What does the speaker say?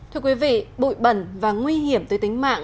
thưa quý vị bụi bẩn và nguy hiểm tới tính mạng